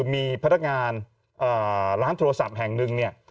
มีพาตรการร้านโทรศัพท์แห่งนึงเนี่ย